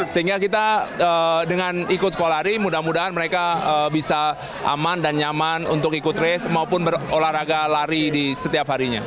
sehingga kita dengan ikut sekolah lari mudah mudahan mereka bisa aman dan nyaman untuk ikut race maupun berolahraga lari di setiap harinya